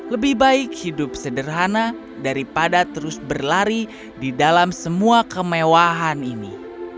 lebih baik hidup sederhana daripada terus berlari di dalam semua kemewahan ini